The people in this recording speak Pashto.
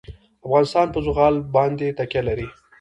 افغانستان په زغال باندې تکیه لري.